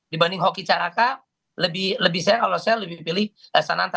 dibanding hoki caraka lebih saya kalau saya lebih pilih sananta